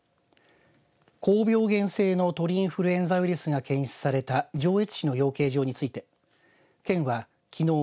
高病原性の鳥インフルエンザウイルスが検出された上越市の養鶏場について県はきのう